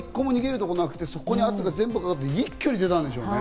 他、逃げるところがなくて、そこに全部圧ががかかって、一挙に出たんでしょうね。